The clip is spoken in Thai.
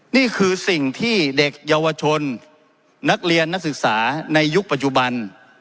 นี่คือสิ่งที่เด็กเยาวชนนักเรียนนักศึกษาในยุคปัจจุบัน